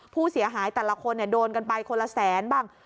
ผู้เสียหายแต่ละคนโดนกันไปคนละแสนบ้าง